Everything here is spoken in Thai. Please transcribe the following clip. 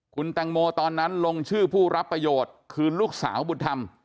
คุณแตงโมตอนนั้นลงชื่อผู้รับประโยชน์คือลูกสาวบุญธรรม